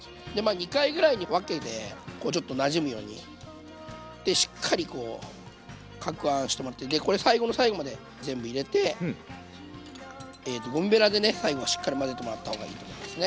２回ぐらいに分けてこうちょっとなじむようにしっかりこうかくはんしてもらってこれ最後の最後まで全部入れてえとゴムベラでね最後はしっかり混ぜてもらった方がいいと思いますね。